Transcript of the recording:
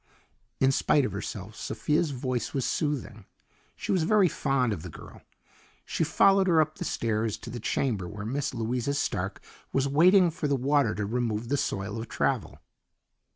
In spite of herself, Sophia's voice was soothing. She was very fond of the girl. She followed her up the stairs to the chamber where Miss Louisa Stark was waiting for the water to remove the soil of travel.